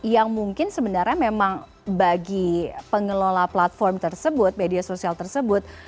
yang mungkin sebenarnya memang bagi pengelola platform tersebut media sosial tersebut